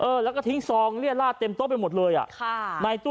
เออแล้วก็ทิ้งซองเลียดลาดเต็มโต๊ะไปหมดเลยอ่ะในตู้